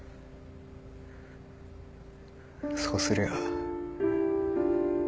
そうすりゃ。